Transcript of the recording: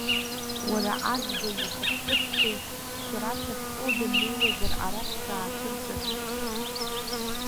Уара, аӡбаҩ ихаҵкы сцеит, шәара шәахьтәоу дымнеиуазар арахь шәаацәырҵыр.